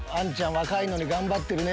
若いのに頑張ってるね」